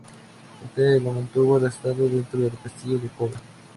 Éste lo mantuvo arrestado dentro del Castillo de Koga.